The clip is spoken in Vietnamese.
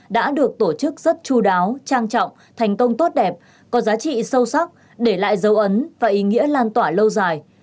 đã được tổ chức rất chú đáo trang trọng thành công tốt đẹp có giá trị sâu sắc để lại dấu ấn và ý nghĩa lan tỏa lâu dài